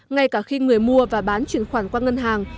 ngay cả khi người mua và bán chuyển khoản qua ngân hàng